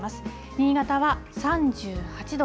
新潟は３８度。